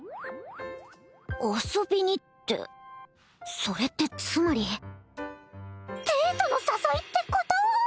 遊びにってそれってつまりデートの誘いってこと？